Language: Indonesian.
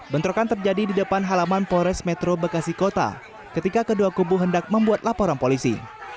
bentrokan terjadi di depan halaman polres metro bekasi kota ketika kedua kubu hendak membuat laporan polisi